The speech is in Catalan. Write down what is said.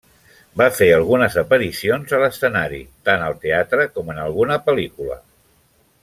Va fer algunes aparicions a l'escenari, tant al teatre com en alguna pel·lícula.